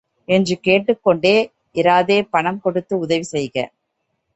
என்று கேட்டுக்கொண்டு இராதே பணம் கொடுத்து உதவி செய்க.